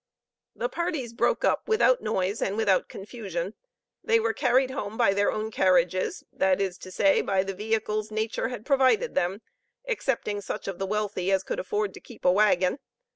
The parties broke up without noise and without confusion. They were carried home by their own carriages, that is to say, by the vehicles nature had provided them, excepting such of the wealthy as could afford to keep a wagon.